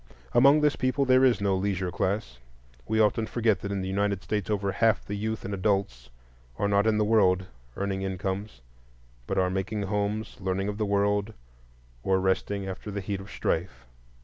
Among this people there is no leisure class. We often forget that in the United States over half the youth and adults are not in the world earning incomes, but are making homes, learning of the world, or resting after the heat of the strife.